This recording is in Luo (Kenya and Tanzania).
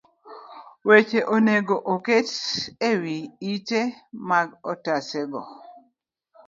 Wechegi onego oket e wi ite mag otasego